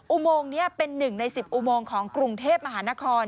อุโมงนี้เป็น๑ใน๑๐อุโมงของกรุงเทพมหานคร